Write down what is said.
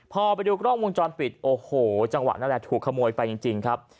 พอไปดูกล้องวงจรปิดโอ้โหจังหวะนั่นแหละถูกขโมยไปจริงครับ